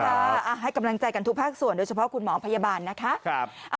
ให้กำลังใจกันทุกภาคส่วนโดยเฉพาะคุณหมอพยาบาลนะคะ